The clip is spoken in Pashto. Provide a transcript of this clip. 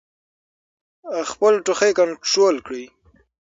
خپل ټوخی کنټرول کړئ.